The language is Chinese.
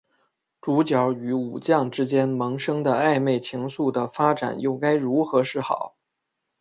主角与武将之间萌生的暧昧情愫的发展又该如何是好？